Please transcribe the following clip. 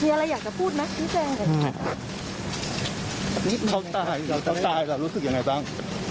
มีอะไรอยากจะพูดมั้ยพี่แจงเขาตายแล้วรู้สึกยังไงบ้าง